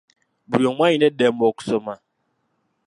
Buli omu alina eddembe okusoma.